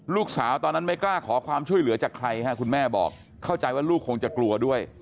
ตอนนั้นไม่กล้าขอความช่วยเหลือจากใครฮะคุณแม่บอกเข้าใจว่าลูกคงจะกลัวด้วย